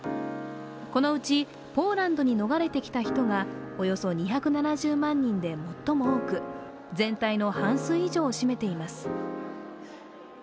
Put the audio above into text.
このうちポーランドに逃れてきた人がおよそ２７０万人で最も多く全体の半数以上を占めています。